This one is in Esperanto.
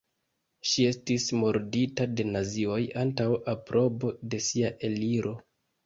Ŝi estis murdita de nazioj antaŭ aprobo de sia eliro.